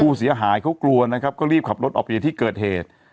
ผู้เสียหายเขากลัวนะครับก็รีบขับรถออกไปที่เกิดเหตุ